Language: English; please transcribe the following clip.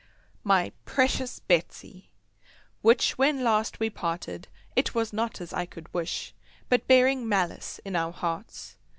MY PRECIOUS BETSY,—Which when last we parted it was not as I could wish, but bearing malice in our hearts.